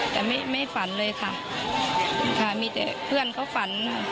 แต่ไม่ฝันเลยค่ะมีแต่เพื่อนเขาฝัน